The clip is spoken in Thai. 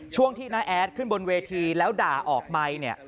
ช่วงที่น้าแอดขึ้นบนเวทีแล้วด่าออกไมค์เนี่ย